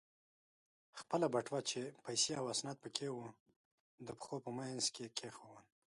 خپله بټوه چې پیسې او اسناد پکې و، د پښو په منځ کې کېښوول.